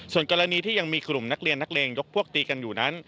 ส่วนกรณีที่ยังมีกลุ่มนักเรียนนักเลงยกพวกตีกันอยู่นั้น